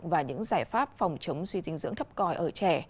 và những giải pháp phòng chống suy dinh dưỡng thấp còi ở trẻ